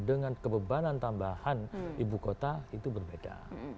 dengan kebebanan tambahan ibu kota itu berbeda